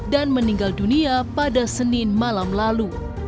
dan meninggal dunia pada senin malam lalu